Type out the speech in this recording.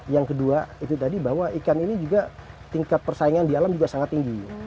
yang kedua itu tadi bahwa ikan ini juga tingkat persaingan di alam juga sangat tinggi